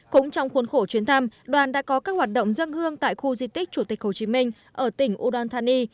cũng trong khuôn khổ chuyến thăm đoàn đã có các hoạt động dân hương tại khu di tích chủ tịch hồ chí minh ở tỉnh udon thani